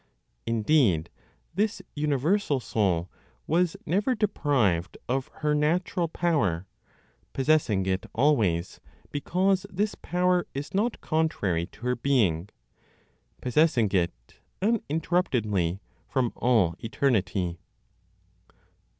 Indeed, this universal Soul was never deprived of her natural power, possessing it always, because this power is not contrary to her being, possessing it uninterruptedly from all eternity.